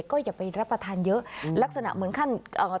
ก็อย่าไปรับประทานเยอะลักษณะเหมือนขั้นเอ่อ